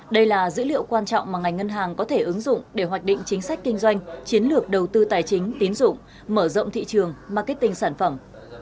đây là dữ liệu quan trọng mà ngành ngân hàng có thể ứng dụng để hoạch định chính sách kinh doanh chiến lược đầu tư tài chính tín dụng mở rộng thị trường marketing sản phẩm